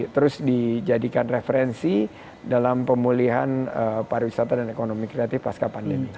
terus dijadikan referensi dalam pemulihan pariwisata dan ekonomi kreatif pasca pandemi